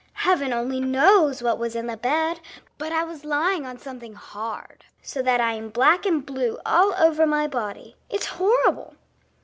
Heaven only knows what was in the bed, but I was lying on something hard, so that I am black and blue all over my body. It's horrible!"